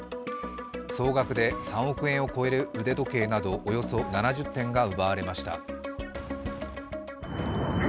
総額で３億円を超える腕時計などおよそ７０点が奪われました。